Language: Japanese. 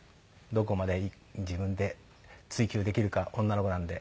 どこまで自分で追求できるか女の子なので。